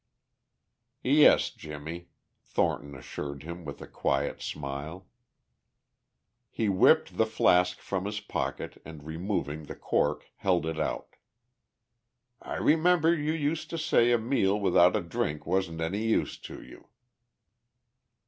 "Yes, Jimmie," Thornton assured him with a quiet smile. He whipped the flask from his pocket and removing the cork held it out. "I remember that you used to say a meal without a drink wasn't any use to you."